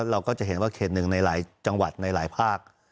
เราก็จะเห็นว่าเขตหนึ่งในหลายจังหวัดในหลายภาค